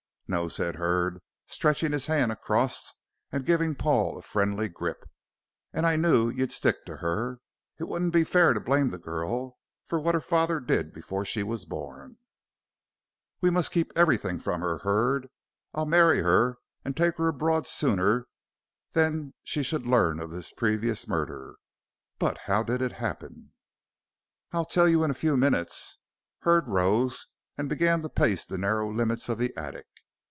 "No," said Hurd, stretching his hand across and giving Paul a friendly grip, "and I knew you'd stick to her. It wouldn't be fair to blame the girl for what her father did before she was born." "We must keep everything from her, Hurd. I'll marry her and take her abroad sooner than she should learn of this previous murder. But how did it happen?" "I'll tell you in a few minutes." Hurd rose and began to pace the narrow limits of the attic.